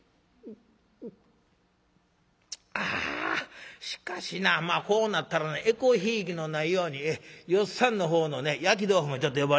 「あしかしなまあこうなったらえこひいきのないように芳っさんの方のね焼き豆腐もちょっと呼ばれますわ。